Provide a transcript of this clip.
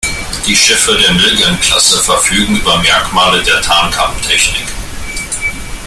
Die Schiffe der Milgem-Klasse verfügen über Merkmale der Tarnkappentechnik.